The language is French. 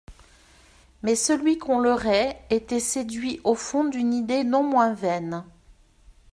Mais celui qu'on leurrait, était séduit au fond d'une idée non moins vaine.